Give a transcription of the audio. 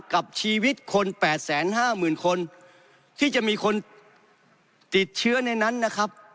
กับชีวิตคนแปดแสนห้าหมื่นคนที่จะมีคนติดเชื้อในนั้นนะครับ